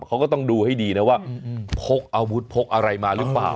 เขาก็ต้องดูให้ดีนะว่าพกอาวุธพกอะไรมาหรือเปล่า